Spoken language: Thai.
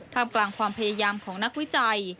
กลางกลางความพยายามของนักวิจัย